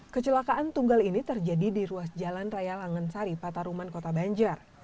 kecelakaan tunggal ini terjadi di ruas jalan raya langensari pataruman kota banjar